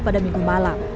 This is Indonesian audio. pada minggu malam